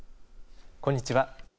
こんにちは。